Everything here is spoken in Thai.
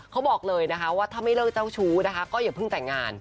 เขาบอกเลยนะคะว่าถ้าไม่เลิกเจ้าชู้นะคะก็อย่าเพิ่งแต่งงาน